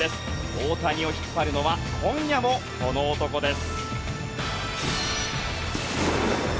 大谷を引っ張るのは今夜もこの男です。